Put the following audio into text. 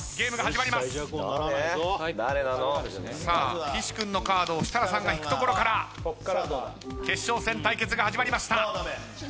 さあ岸君のカードを設楽さんが引くところから決勝戦対決が始まりました。